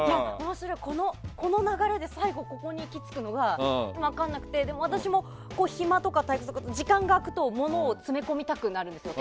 この流れで、最後ここに行きつくのが分からなくて私も暇とか退屈とか時間が空くとものを詰め込みたくなるんですよ